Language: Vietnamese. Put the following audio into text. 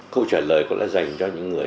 câu trả lời có lẽ dành cho những người